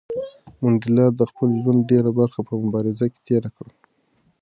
منډېلا د خپل ژوند ډېره برخه په مبارزه کې تېره کړه.